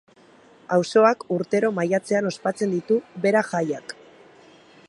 Auzoak urtero maiatzean ospatzen ditu bera jaiak.